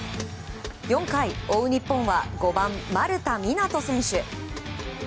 ４回、追う日本は５番、丸田湊斗選手。